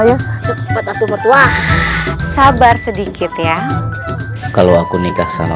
aduh sudah sabar ini saya sepeta tua sabar sedikit ya kalau aku nikah sama